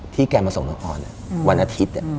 แกมาส่งน้องออนวันอาทิตย์